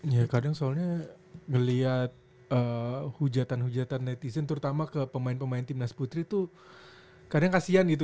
ya kadang soalnya ngeliat hujatan hujatan netizen terutama ke pemain pemain timnas putri tuh kadang kasihan gitu